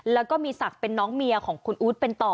แล้วก็มีศักดิ์เป็นน้องเมียของคุณอู๊ดเป็นต่อ